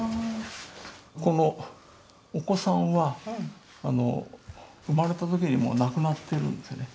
このお子さんは生まれた時にもう亡くなってるんですね。